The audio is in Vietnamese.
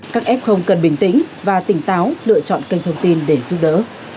các f cần bình tĩnh và tỉnh táo lựa chọn kênh thông tin để giúp đỡ